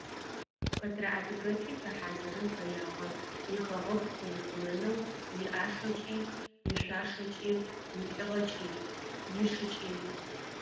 Хэтрэ адыгэлӀи фэхьазырын фэягъэ ихэгъэгу къыухъумэнэу иӀашэкӀи, ишъуашэкӀи, илӀыгъэкӀи, ишыкӀи.